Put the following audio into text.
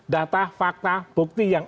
data fakta bukti yang